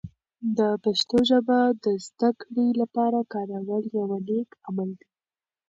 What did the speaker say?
د پښتو ژبه د زده کړې لپاره کارول یوه نیک عمل دی.